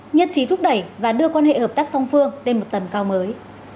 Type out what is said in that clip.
nhất trí thúc đẩy và đưa quan hệ hợp tác song phương lên một tầm cao mới